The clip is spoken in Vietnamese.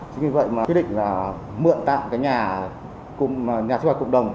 chính vì vậy mà quyết định là mượn tạm cái nhà nhà sinh hoạt cộng đồng